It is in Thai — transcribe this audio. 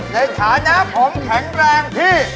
ในฐานะผมแข็งแรงพี่